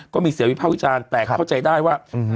ก็มีเสียวิภาควิจารณ์แต่เข้าใจได้ว่า